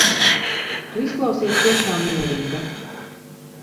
Tu izklausies tiešām mierīga.